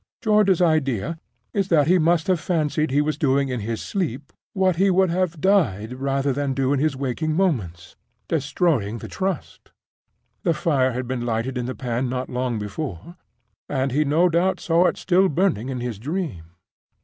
George's idea is that he must have fancied he was doing in his sleep what he would have died rather than do in his waking moments—destroying the Trust. The fire had been lighted in the pan not long before, and he no doubt saw it still burning in his dream.